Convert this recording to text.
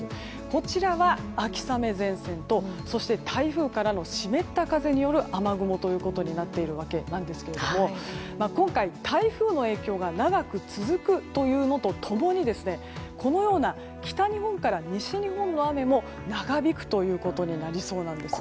こちらは、秋雨前線と台風からの湿った風による雨雲ということなんですが今回、台風の影響が長く続くというのと共にこのような北日本から西日本の雨も長引くということになりそうなんです。